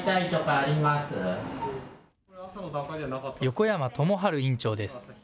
横山智仁院長です。